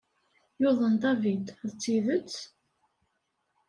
Yuḍen David, d tidet?